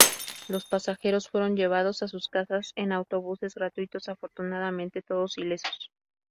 Los pasajeros fueron llevados a sus casas en autobuses gratuitos, afortunadamente, todos ilesos.